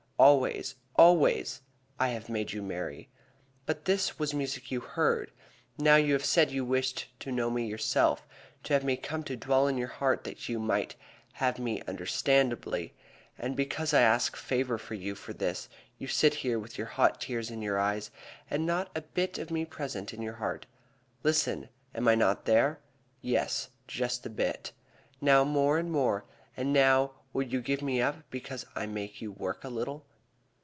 Always, always I have made you merry. But this was music you heard. Now you have said you wished to know me yourself; to have me come to dwell in your heart that you might have me understandingly, and because I ask labor of you for this, you sit here with your hot tears in your eyes and not a bit of me present in your heart. Listen! Am I not there? Yes, just a bit. Now more and more, and now will you give me up because I make you work a little?"